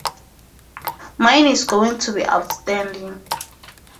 Mine is going to be outstanding.